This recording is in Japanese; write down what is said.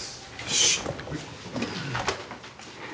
よし。